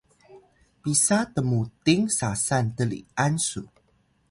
Pasang: pisa tmuting sasan tli’an su?